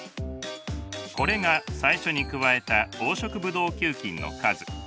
これが最初に加えた黄色ブドウ球菌の数。